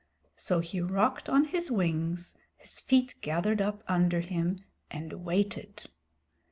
So he rocked on his wings, his feet gathered up under him, and waited.